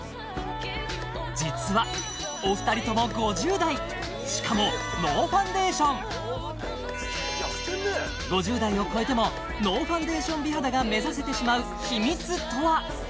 実はお二人とも５０代しかも５０代を超えてもノーファンデーション美肌が目指せてしまう秘密とは？